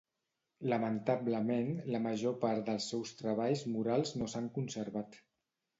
Lamentablement, la major part dels seus treballs murals no s'han conservat.